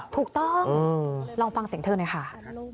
ถูกต้องลองฟังเสียงเธอหน่อยค่ะ